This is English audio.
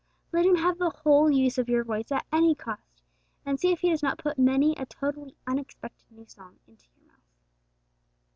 Let Him have the whole use of your voice at any cost, and see if He does not put many a totally unexpected new song into your mouth!